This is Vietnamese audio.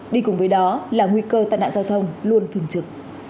đi cùng với đó là nguy cơ tai nạn giao thông luôn thường trực